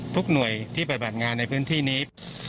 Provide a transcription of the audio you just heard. ทุกหน่วยที่ปฏิบัติงานในพื้นที่นี้